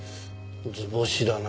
図星だな。